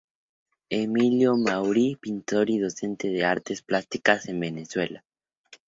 Emilio Mauri pintor y docente de artes plásticas en Venezuela.